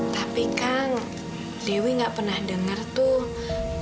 tapi kang dewi gak pernah dengar tuh